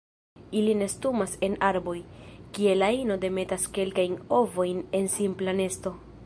Ili nestumas en arboj, kie la ino demetas kelkajn ovojn en simpla nesto.